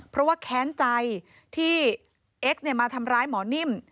เพราะว่าแค้นใจที่เอ็กซ์มาทำร้ายหมอนิ่ม